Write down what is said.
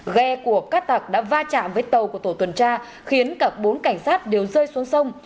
ghe của các tạc đã va chạm với tàu của tổ tuần tra khiến cả bốn cảnh sát đều rơi xuống sông